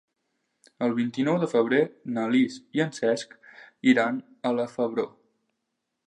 El vint-i-nou de febrer na Lis i en Cesc iran a la Febró.